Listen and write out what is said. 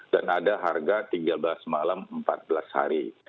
dan ada harga tiga belas malam empat belas hari